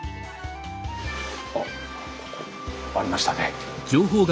あっありましたね。